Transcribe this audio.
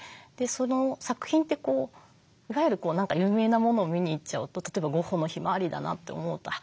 作品っていわゆる有名なものを見に行っちゃうと例えばゴッホの「ひまわり」だなって思うとあっ